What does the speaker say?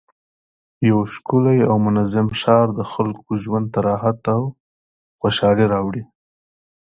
یو ښکلی او منظم ښار د خلکو ژوند ته راحت او خوشحالي راوړي